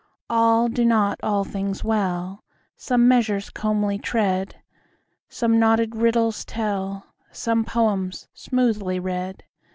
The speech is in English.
All do not all things well; Some measures comely tread, Some knotted riddles tell, Some poems smoothly read.